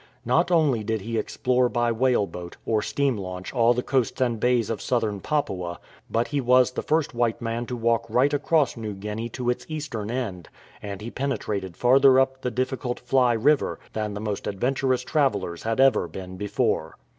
Not only did he explore by whale boat or steam launch all the coasts and bays of Southern Papua, but he was the first white man to walk right across New Guinea to its eastern end, and he penetrated farther up the difficult Fly River than the most adventurous travellers had ever been before.